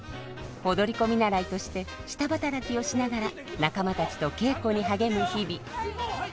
踊り子見習いとして下働きをしながら仲間たちと稽古に励む日々。